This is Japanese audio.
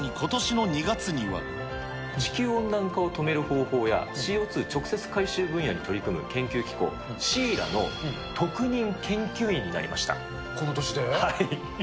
地球温暖化を止める方法や、ＣＯ２直接回収分野に取り組む研究機構、シーラの特任研究員になりました。